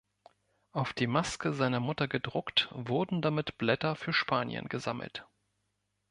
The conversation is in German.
Auf die Maske seiner Mutter gedruckt, wurden damit Blätter für Spanien gesammelt.